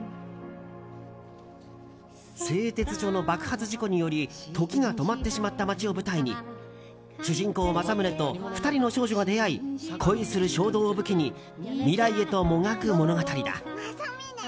製鉄所の爆発事故により時が止まってしまった町を舞台に主人公・正宗と２人の少女が出会い恋する衝動を武器に未来へともがく物語だ。